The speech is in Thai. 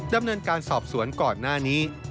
ดำเนินการสอบสวนก่อนหน้านี้